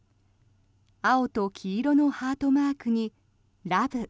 青と黄色のハートマークに「ＬＯＶＥ」。